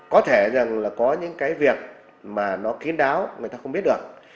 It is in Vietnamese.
có thể rằng là có những cái việc mà nó kín đáo người ta không biết được